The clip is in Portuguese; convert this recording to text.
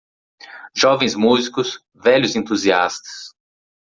Jovens músicos, velhos entusiastas.